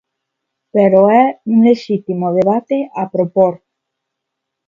Pero é un lexítimo debate a propor.